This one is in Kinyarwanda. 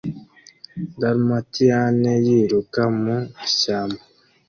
Dalmatiyani yiruka mu ishyamba